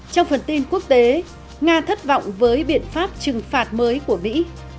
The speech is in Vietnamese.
trong phần tin quốc tế nga thất vọng với biện pháp trừng phạt mới của mỹ